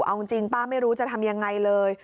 เอาจริงป้าไม่รู้จะทำยังไงเลย